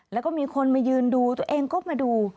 แล้วก็มีคนมายืนดูตัวเองก็มาดู